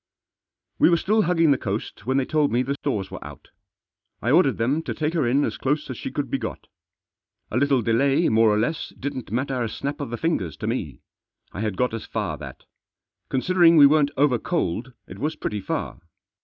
We were still hugging the coast when they told me the stores were out. I ordered them to take her in as close as she could be got. A little delay more or less didn't matter a snap of the fingers to me. I had got as far that. Considering we weren't over coaled it was pretty far.